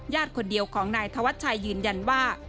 คนเดียวของนายธวัชชัยยืนยันว่า